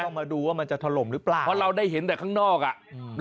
มาดูว่ามันจะถล่มหรือเปล่าเพราะเราได้เห็นแต่ข้างนอกอ่ะอืม